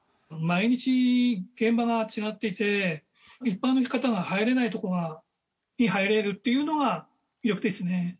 毎日現場が違っていて一般の方が入れない所に入れるっていうのが魅力ですね。